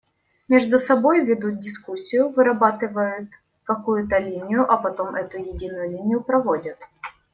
Между собой ведут дискуссию, вырабатывают какую-то линию, а потом эту единую линию проводят.